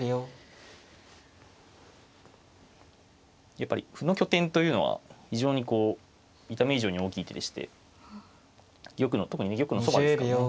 やっぱり歩の拠点というのは非常にこう見た目以上に大きい手でして玉の特に玉のそばですからね。